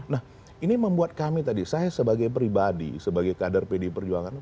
nah ini membuat kami tadi saya sebagai pribadi sebagai kader pdi perjuangan